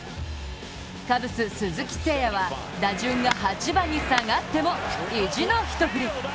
カブス・鈴木誠也は打順が８番に下がっても意地の一振り。